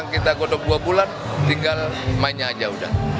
kita godok dua bulan tinggal mainnya aja udah